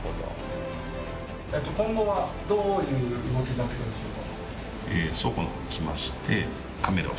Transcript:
今後はどういう動きになってくるんでしょうか？